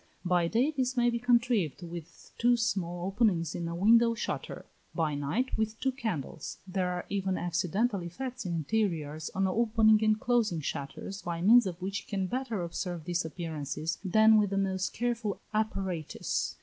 By day this may be contrived with two small openings in a window shutter; by night, with two candles. There are even accidental effects in interiors, on opening and closing shutters, by means of which we can better observe these appearances than with the most careful apparatus.